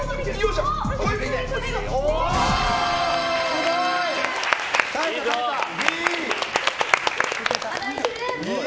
すごい！